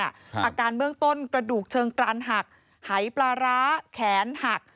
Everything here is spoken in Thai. อาการเบื้องต้นกระดูกเชิงกรานหักหายปลาร้าแขนหัก